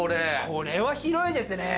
これは広いですね！